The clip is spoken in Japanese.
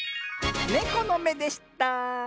ネコのめでした。